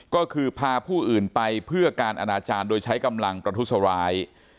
ก็คือพาผู้อื่นไปเพื่อการอนาจารย์โดยใช้กำลังประทุษร้าย